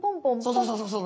そうそうそうそう。